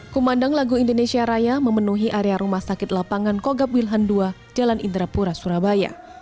kumandang lagu indonesia raya memenuhi area rumah sakit lapangan kogab wilhan ii jalan indrapura surabaya